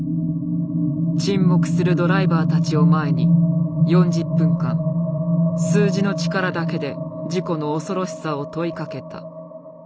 沈黙するドライバーたちを前に４０分間数字の力だけで事故の恐ろしさを問いかけた。